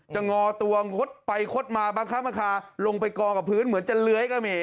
งอตัวงดไปคดมาบางครั้งบางคาลงไปกองกับพื้นเหมือนจะเลื้อยก็มี